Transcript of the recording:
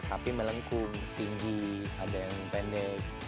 api melengkung tinggi ada yang pendek